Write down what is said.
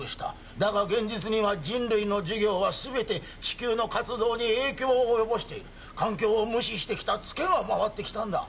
だが現実には人類の事業は全て地球の活動に影響を及ぼしている環境を無視してきたつけが回ってきたんだ